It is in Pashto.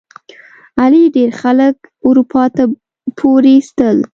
علي ډېر خلک اروپا ته پورې ایستل.